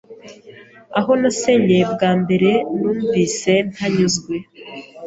Aho nasengeye bwa mbere numvise ntanyuzwe,